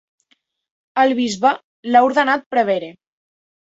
El bisbe l'ha ordenat prevere.